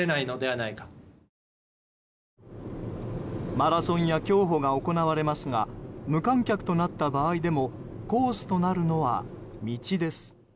マラソンや競歩が行われますが無観客となった場合でもコースとなるのは、道です。